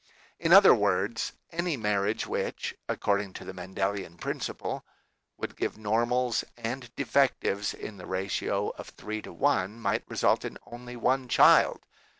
In other words, any marriage which, according to the Mendelian principle, would give normals and defectives in the ratio of three to one might result in only one child.